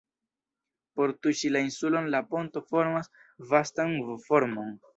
Por tuŝi la insulon la ponto formas vastan V-formon.